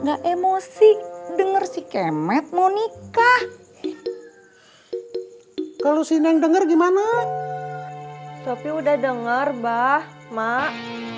gak emosi denger si kemet mau nikah kalau si neng dengar gimana tapi udah denger bah mak